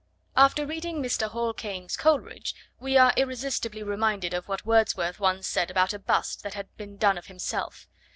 After reading Mr. Hall Caine's Coleridge we are irresistibly reminded of what Wordsworth once said about a bust that had been done of himself.